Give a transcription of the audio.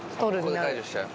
ここで解除しちゃう？